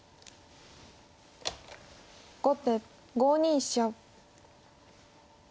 後手５二飛車。